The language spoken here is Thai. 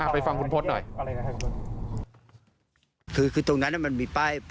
ไปฟังคุณพศหน่อย